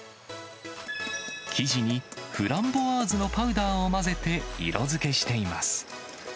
生地にフランボワーズのパウダーを混ぜて色づけしています。